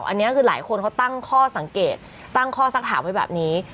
อันนี้คือหลายคนเขาตั้งข้อสังเกตตั้งข้อสักถามไว้แบบนี้